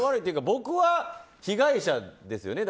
僕は被害者ですよね。